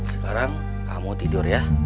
sekarang kamu tidur ya